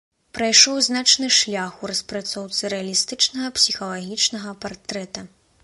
Прайшоў значны шлях у распрацоўцы рэалістычнага псіхалагічнага партрэта.